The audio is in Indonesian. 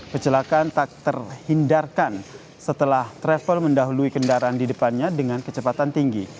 kecelakaan tak terhindarkan setelah travel mendahului kendaraan di depannya dengan kecepatan tinggi